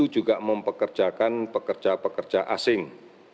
juga mempekerjakan pekerja pekerja asing